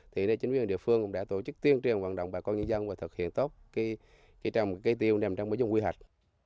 thì nên chính quyền địa phương cũng đã tổ chức tiên triển hoạt động bà con nhân dân và thực hiện tốt cái trồng cái tiêu nằm trong cái dùng quy hoạch